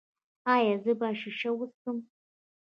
ایا زه باید شیشه وڅکوم؟